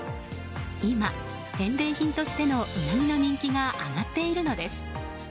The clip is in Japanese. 今、返礼品としてのウナギの人気が上がっているのです。